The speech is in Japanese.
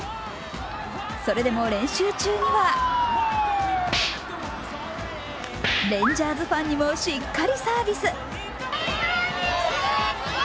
それでも練習中にはレンジャーズファンにもしっかりサービス。